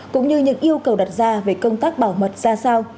cũng như những yêu cầu đặt ra về công tác bảo mật ra sao